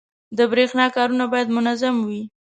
• د برېښنا کارونه باید منظم وي.